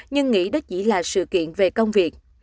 nhưng nghĩ đó chỉ là sự kiện về công việc